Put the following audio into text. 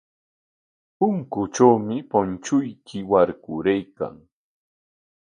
Punkutrawmi punchuyki warkaraykan.